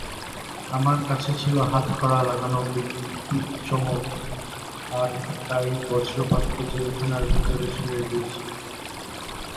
আমার কাছে ছিল হাতকড়া লাগানো বিদ্যুচ্চমকআর তাই বজ্রপাতকে জেলখানার ভেতরে ছুড়ে দিয়েছি।